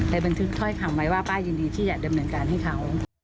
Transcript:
บันทึกถ้อยคำไว้ว่าป้ายินดีที่จะดำเนินการให้เขา